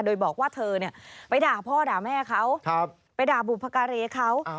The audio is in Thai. โดยบอกว่าเธอไปด่าพ่อด่าแม่เขาไปด่าบุพการีเขา